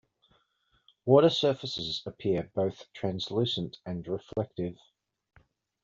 Water surfaces appear both translucent and reflective.